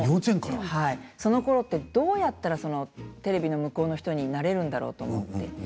そのころって、どうやったらテレビの向こうの人になれるんだろうと思って。